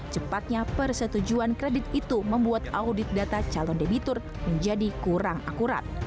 cepatnya persetujuan kredit itu membuat audit data calon debitur menjadi kurang akurat